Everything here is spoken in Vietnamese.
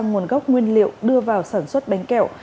nguồn gốc nguyên liệu đưa vào sản xuất bánh kẹo